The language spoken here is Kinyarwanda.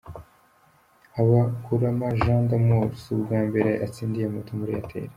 Habakurama Jean D'amour si ubwa mbere atsindiye moto muri Airtel.